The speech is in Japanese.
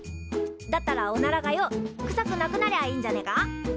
だったらおならがよくさくなくなりゃあいいんじゃねえか？